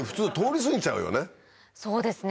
そうですね。